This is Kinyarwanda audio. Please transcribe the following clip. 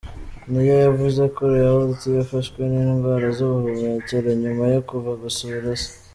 Nia yavuze ko Royalty yafashwe n’indwara z’ubuhumekero nyuma yo kuva gusura se.